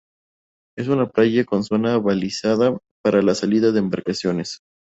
Es una playa con zona balizada para la salida de embarcaciones.